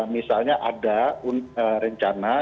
misalnya ada rencana